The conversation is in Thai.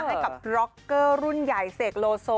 ให้กับร็อกเกอร์รุ่นใหญ่เสกโลโซ